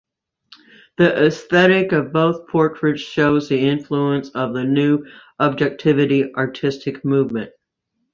The esthetic of both portraits shows the influence of the New Objectivity artistic movement.